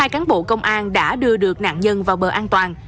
hai cán bộ công an đã đưa được nạn nhân vào bờ an toàn